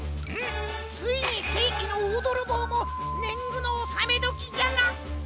ついにせいきのおおどろぼうもねんぐのおさめどきじゃな！